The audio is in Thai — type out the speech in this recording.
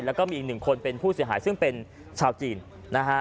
แล้วก็มีอีกหนึ่งคนเป็นผู้เสียหายซึ่งเป็นชาวจีนนะฮะ